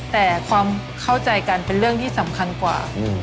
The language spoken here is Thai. แต่ความเข้าใจกันเป็นเรื่องที่สำคัญกว่า